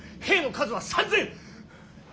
兵の数は３，０００。